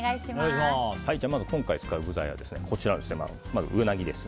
今回使う具材は、まずウナギです。